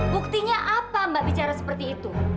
buktinya apa mbak bicara seperti itu